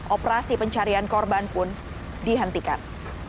operasi pencarian korban pun dihentikan